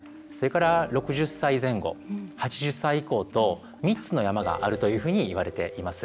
２０歳から３０歳それから６０歳前後８０歳以降と、３つの山があるというふうにいわれています。